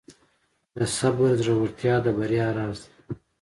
د صبر زړورتیا د بریا راز دی.